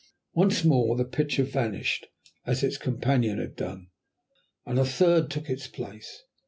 Once more the picture vanished as its companion had done, and a third took its place.